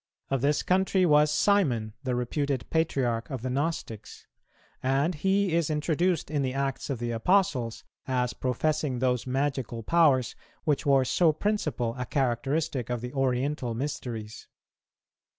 Of this country was Simon, the reputed patriarch of the Gnostics; and he is introduced in the Acts of the Apostles as professing those magical powers which were so principal a characteristic of the Oriental mysteries.